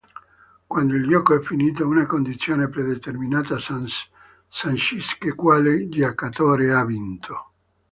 Quando il gioco è finito, una condizione predeterminata sancisce quale giocatore ha vinto.